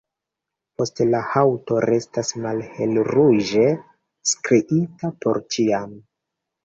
Poste la haŭto restas malhelruĝe striita por ĉiam.